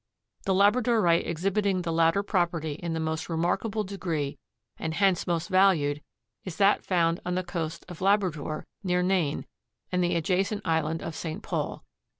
The labradorite exhibiting the latter property in the most remarkable degree and hence most valued is that found on the coast of Labrador near Nain and the adjacent island of St. Paul.